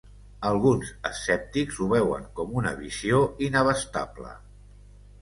Alguns escèptics ho veuen com una visió inabastable.